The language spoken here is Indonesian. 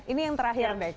ini yang terakhir mbak